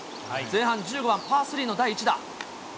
前半１０番パー３の第１打。